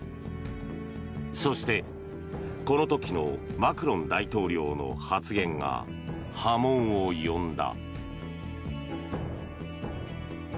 そして、この時のマクロン大統領の発言が波紋を呼んだ。